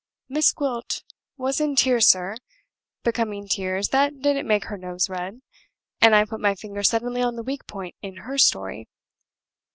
Miss Gwilt was in tears, sir becoming tears that didn't make her nose red and I put my finger suddenly on the weak point in her story.